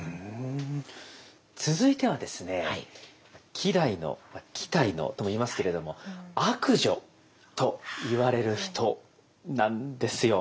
続いてはですね希代の「きたいの」とも言いますけれども悪女といわれる人なんですよ。